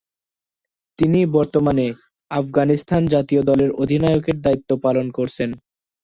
তিনি বর্তমানে আফগানিস্তান জাতীয় দলের অধিনায়কের দায়িত্ব পালন করছেন।